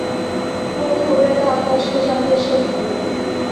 洛克威大道车站列车服务。